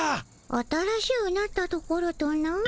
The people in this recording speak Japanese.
新しゅうなったところとな？